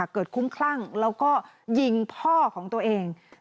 คุ้มคลั่งแล้วก็ยิงพ่อของตัวเอง